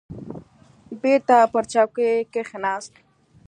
بېرته پر چوکۍ کښېناست.